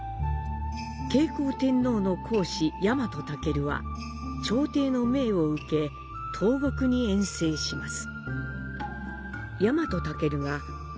景行天皇の皇子・ヤマトタケルは、朝廷の命を受け東国に遠征します。